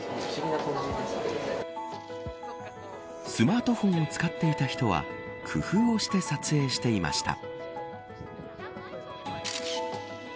スマートフォンを使っていた人は工夫をして撮影していました。